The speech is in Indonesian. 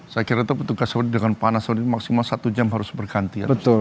saya kira itu petugas dengan panas maksimal satu jam harus bergantian